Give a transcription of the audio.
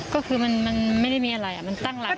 ก็คือมันไม่ได้มีอะไรมันตั้งหลัก